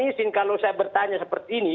izin kalau saya bertanya seperti ini